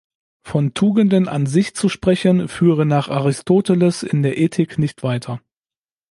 Von Tugenden an sich zu sprechen, führe nach Aristoteles in der Ethik nicht weiter.